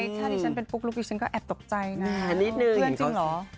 ถ้าที่ฉันเป็นปุ๊บลูกอีกฉันก็แอบตกใจนะคะ